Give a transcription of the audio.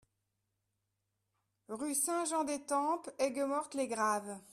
Rue Saint-Jean d'Etampes, Ayguemorte-les-Graves